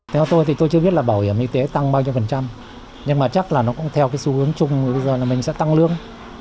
theo tôi thì tôi chưa biết là bảo hiểm y tế tăng bao nhiêu phần trăm nhưng mà chắc là nó cũng theo cái xu hướng chung bây giờ là mình sẽ tăng lương